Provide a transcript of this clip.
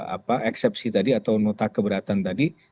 apa eksepsi tadi atau nota keberatan tadi